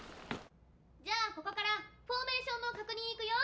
・じゃあここからフォーメーションの確認いくよ！